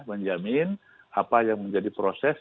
menjamin apa yang menjadi proses